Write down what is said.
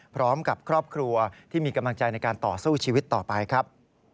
พร้อมกับครอบครัวที่มีกำลังใจในการต่อสู้ชีวิตต่อไปครับ